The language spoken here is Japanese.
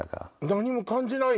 何も感じないよ。